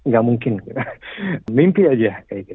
gak mungkin mimpi aja